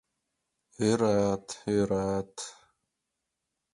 «Ӧрат, ӧрат...